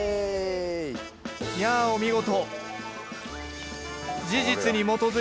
やあお見事！